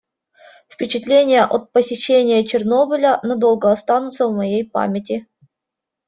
Впечатления от посещения Чернобыля надолго останутся в моей памяти.